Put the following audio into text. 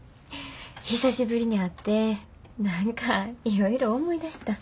久しぶりに会って何かいろいろ思い出した。